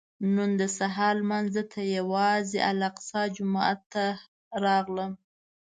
نن د سهار لمانځه ته یوازې الاقصی جومات ته راغلم.